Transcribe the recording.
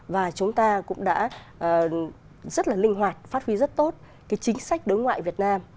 và chúng ta cũng đã rất là linh hoạt phát huy rất tốt cái chính sách đối ngoại việt nam